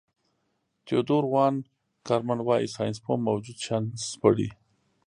تیودور وان کارمن وايي ساینسپوه موجود شیان سپړي.